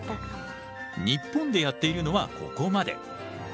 日本でやっているのはここまで。